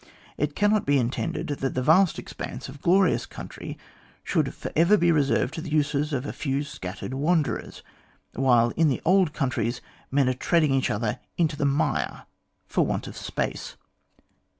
It cannot be intended that that vast expanse of glorious country should be for ever reserved to the uses of a few scattered wanderers, while in the old countries men are treading each other into the mire for want of space."